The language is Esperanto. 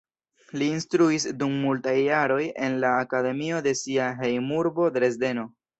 Li instruis dum multaj jaroj en la akademio de sia hejmurbo, Dresdeno.